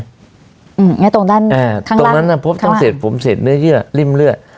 อืมอย่างงี้ตรงด้านข้างล่างตรงนั้นพบตั้งเสร็จผมเสร็จเนื้อเยื่อริ่มเลือด